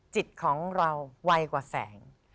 จิตของเราไวกว่าแสง